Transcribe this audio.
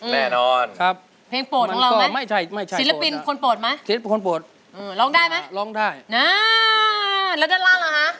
แน่นอนครับมันตรงไหนครับเพลงโปรดของเรามั้ย